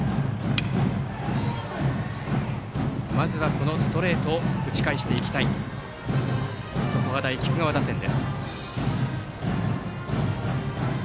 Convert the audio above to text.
このストレートを打ち返していきたい常葉大菊川打線です。